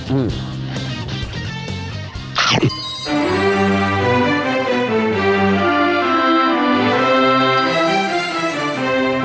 อืม